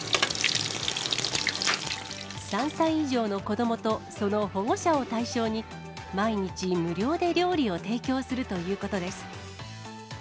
３歳以上の子どもとその保護者を対象に、毎日無料で料理を提供するということです。